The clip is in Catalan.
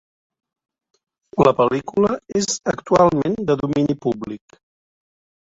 La pel·lícula és actualment de domini públic.